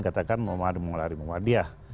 katakan muhammad muhammad ali muhammadiyah